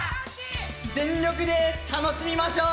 全力で楽しみましょう！